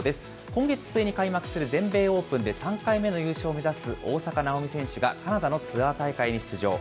今月末に開幕する全米オープンで３回目の優勝を目指す大坂なおみ選手がカナダのツアー大会に出場。